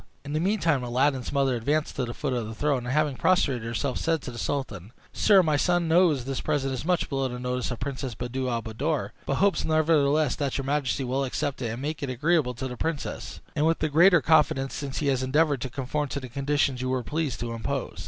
In the meantime, Aladdin's mother advanced to the foot of the throne, and having prostrated herself, said to the sultan, "Sire, my son knows this present is much below the notice of Princess Buddir al Buddoor; but hopes, nevertheless, that your majesty will accept of it, and make it agreeable to the princess, and with the greater confidence since he has endeavored to conform to the conditions you were pleased to impose."